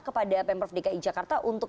kepada pemprov dki jakarta untuk